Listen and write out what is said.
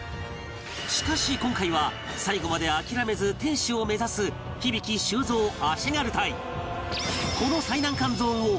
しかし今回は最後まで諦めず天守を目指す響大・修造足軽隊